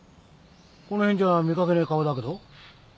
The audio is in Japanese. この辺じゃ見かけねえ顔だけど。